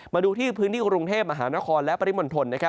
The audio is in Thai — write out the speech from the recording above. มาดูที่พื้นที่กรุงเทพมหานครและปริมณฑล